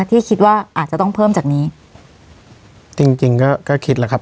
ที่คิดว่าอาจจะต้องเพิ่มจากนี้จริงจริงก็ก็คิดแล้วครับ